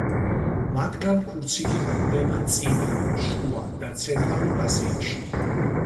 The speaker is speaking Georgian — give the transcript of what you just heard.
მათგან ქურციკი გვხვდება წინა, შუა და ცენტრალურ აზიაში.